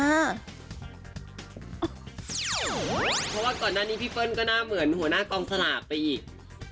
เพราะว่าก่อนหน้านี้พี่เปิ้ลก็หน้าเหมือนหัวหน้ากองสลากไปอีก